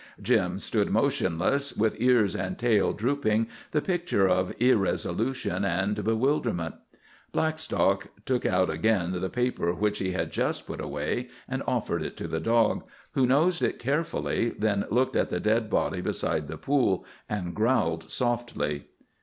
Jim stood motionless, with ears and tail drooping, the picture of irresolution and bewilderment. Blackstock took out again the paper which he had just put away, and offered it to the dog, who nosed it carefully, then looked at the dead body beside the pool, and growled softly.